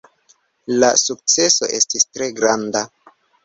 La sukceso estis tre granda.